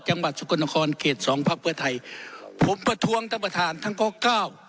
จังหวัดสกลนครเขตสองพักเพื่อไทยผมประท้วงท่านประธานทั้งข้อเก้า